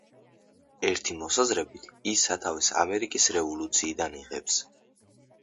ერთი მოსაზრებით ის სათავეს ამერიკის რევოლუციიდან იღებს.